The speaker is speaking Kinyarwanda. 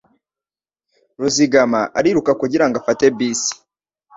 Ruzigama ariruka kugirango afate bisi. .